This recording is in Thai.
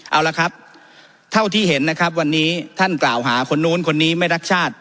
เอาละครับเท่าที่เห็นนะครับวันนี้ท่านกล่าวหาคนนู้นคนนี้ไม่รักชาติ